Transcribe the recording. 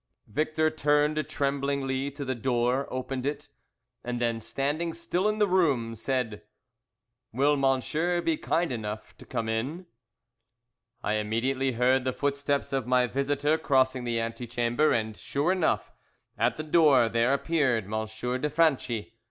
Victor turned tremblingly to the door, opened it, and then standing still in the room, said "Will monsieur be kind enough to come in?" I immediately heard the footsteps of my visitor crossing the ante chamber, and sure enough, at the door there appeared M. de Franchi.